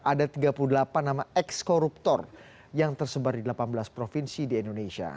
ada tiga puluh delapan nama eks koruptor yang tersebar di delapan belas provinsi di indonesia